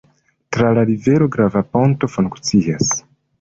Tra la rivero grava ponto funkcias.